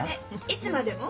いつまでも？